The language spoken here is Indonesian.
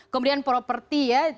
kemudian properti ya